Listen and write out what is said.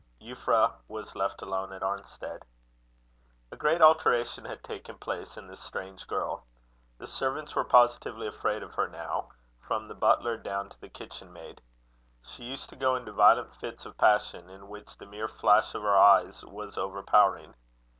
Euphra was left alone at Arnstead. A great alteration had taken place in this strange girl. The servants were positively afraid of her now, from the butler down to the kitchen maid. She used to go into violent fits of passion, in which the mere flash of her eyes was overpowering.